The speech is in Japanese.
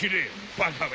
バカめ！